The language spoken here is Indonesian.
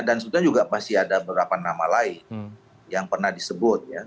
dan sebetulnya juga pasti ada beberapa nama lain yang pernah disebut ya